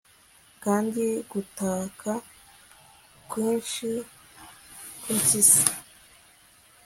Kandi gutaka kwinshi kwimpyisi